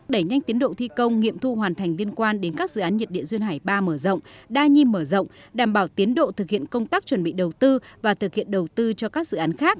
đẩy nhanh tiến độ thi công nghiệm thu hoàn thành liên quan đến các dự án nhiệt điện duyên hải ba mở rộng đa nhi mở rộng đảm bảo tiến độ thực hiện công tác chuẩn bị đầu tư và thực hiện đầu tư cho các dự án khác